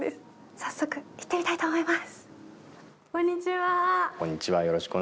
早速、行ってみたいと思います。